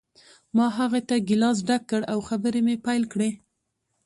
ما هغه ته ګیلاس ډک کړ او خبرې مې پیل کړې